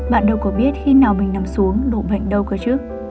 bạn đâu có biết khi nào mình nằm xuống đổ bệnh đâu cơ chứ